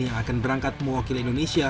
yang akan berangkat mewakili indonesia